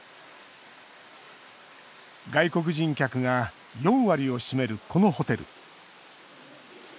外国人客が４割を占めるこのホテル。